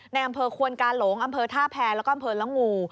ในอำเภอควนกาหลงอำเภอท่าแพรแล้วก็อำเภอละงู